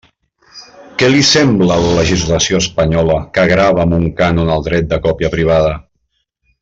Què li sembla la legislació espanyola, que grava amb un cànon el dret de còpia privada?